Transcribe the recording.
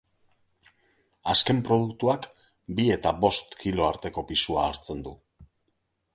Azken produktuak bi eta bost kilo arteko pisua hartzen du.